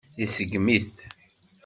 Iseggem-it.